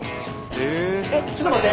えっちょっと待って。